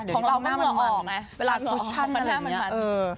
เดี๋ยวนี้ต้องมันมันมันมันมันมันมันมันมัน